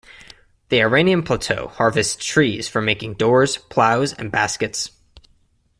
The Iranian plateau harvests trees for making doors, ploughs, and baskets.